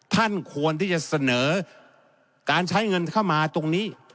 ควรที่จะเสนอการใช้เงินเข้ามาตรงนี้